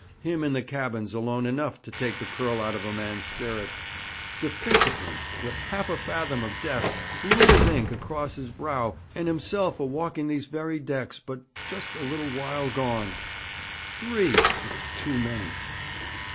Him in the cabin's alone enough to take the curl out of a man's spirit. To think of him, with half a fathom of death, blue as ink, across his brow, and himself a walking these very decks but just a little while gone! Three! It's too many!'